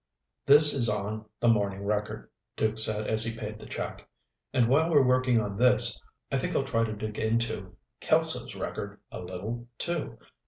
"This is on the Morning Record," Duke said as he paid the check. "And while we're working on this, I think I'll try to dig into Kelso's record a little, too.